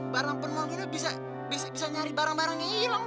barang penemuan ini bisa nyari barang barangnya hilang